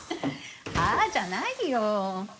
はぁ？じゃないよ。